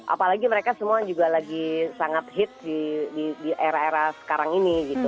apalagi mereka semua juga lagi sangat hit di era era sekarang ini gitu